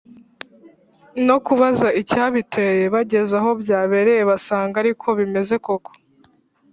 no kubaza icyabiteye. bageze aho byabereye basanga ari ko bimeze koko.